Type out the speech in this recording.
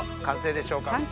完成でしょうか？